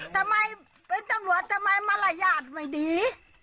ทำไมเป็นตำรวจทำไมมารยาทไม่ดี